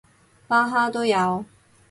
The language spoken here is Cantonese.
巴哈都有